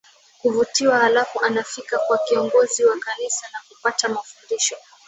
kuvutiwa Halafu anafika kwa kiongozi wa Kanisa na kupata mafundisho